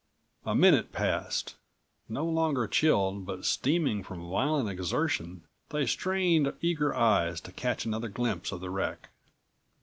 A minute passed. No longer chilled but220 steaming from violent exertion, they strained eager eyes to catch another glimpse of the wreck.